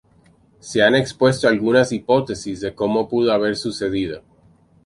Se han expuesto algunas hipótesis de cómo pudo haber sucedido.